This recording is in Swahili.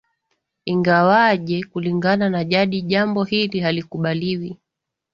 Ingawaje Kulingana na jadi jambo hili halikubaliwi